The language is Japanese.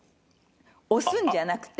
押すんじゃなくて。